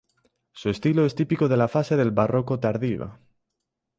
Su estilo es típico de la fase del barroco tardío.